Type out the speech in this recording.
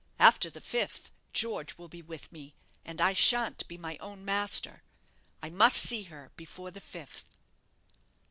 After the fifth, George will be with me, and I shan't be my own master. I must see her before the fifth."